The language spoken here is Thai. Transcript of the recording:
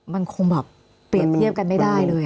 มันคงแบบเปรียบเทียบกันไม่ได้เลย